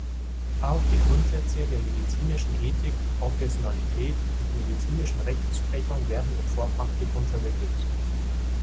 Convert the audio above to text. Auch die Grundsätze der medizinischen Ethik, Professionalität und medizinischen Rechtsprechung werden im Vorpraktikum vermittelt.